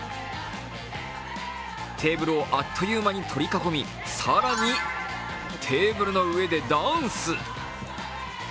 テーブルをあっという間に取り囲み、更にテーブルの上でダンス。